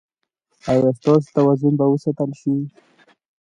ایا ستاسو توازن به وساتل شي؟